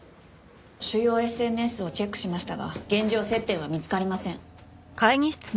主要ＳＮＳをチェックしましたが現状接点は見つかりません。